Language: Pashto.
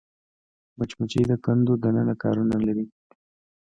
مچمچۍ د کندو دننه کارونه لري